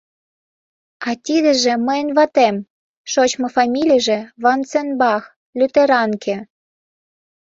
А тидыже — мыйын ватем, шочмо фамилийже Ванценбах... лютеранке...